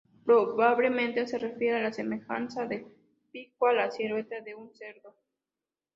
Probablemente se refiere a la semejanza del pico a la silueta de un cerdo.